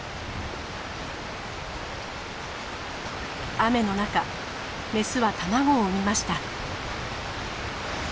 雨の中メスは卵を産みました。